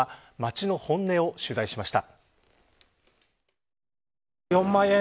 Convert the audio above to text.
街の本音を取材しました。